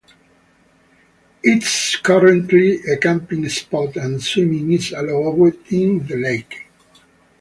It is currently a camping spot, and swimming is allowed in the lake.